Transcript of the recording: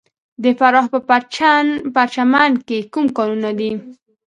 د فراه په پرچمن کې کوم کانونه دي؟